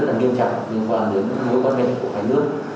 những quan mệnh của hai nước